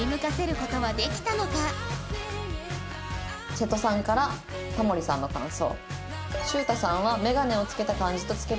瀬戸さんから田森さんの感想。